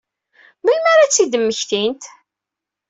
Melmi ara ad tt-id-mmektin?